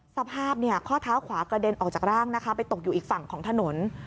สภาพข้อเท้าขวากระเด็นออกจากร่างนะคะไปตกอยู่อีกฝั่งของถนน